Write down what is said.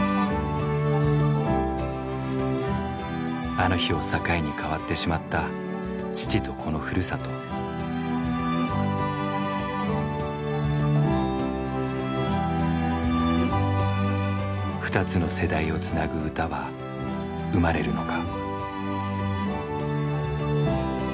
あの日を境に変わってしまった二つの世代をつなぐ歌は生まれるのか。